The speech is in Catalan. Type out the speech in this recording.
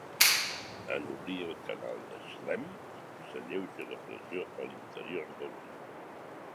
En obrir el canal de Schlemm, s'alleuja la pressió a l'interior de l'ull.